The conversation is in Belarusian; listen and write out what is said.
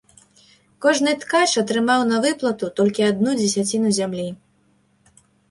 Кожны ткач атрымаў на выплату толькі адну дзесяціну зямлі.